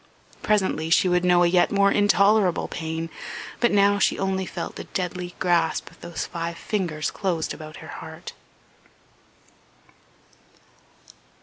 Presently she would know a yet more intolerable pain, but now she only felt the deadly grasp of those five fingers closed about her heart.